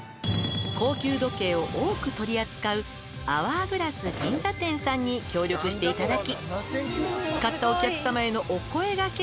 高級時計を多く取り扱うアワーグラス銀座店さんに協力していただき買ったお客さまへのお声がけをＯＫしてもらったのよ」